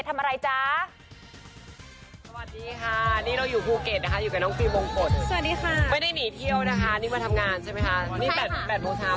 ไม่ได้หนีเที่ยวนะคะนี่วันทำงานใช่ไหมคะ